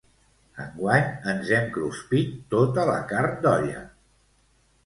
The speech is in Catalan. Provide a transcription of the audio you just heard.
Enguany ens hem cruspit tota la carn d'olla.